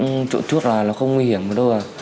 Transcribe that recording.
tại bởi vì lúc trộn thuốc là nó không nguy hiểm đâu à